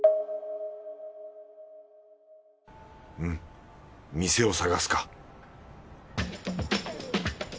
うん店を探すか